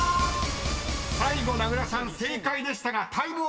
［最後名倉さん正解でしたがタイムオーバー］